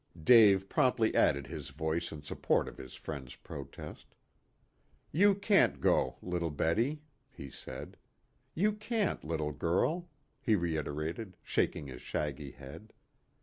Dave promptly added his voice in support of his friend's protest. "You can't go, little Betty," he said. "You can't, little girl," he reiterated, shaking his shaggy head.